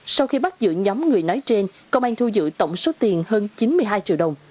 sau khi bắt giữ nhóm người nói trên công an thu giữ tổng số tiền hơn chín mươi hai triệu đồng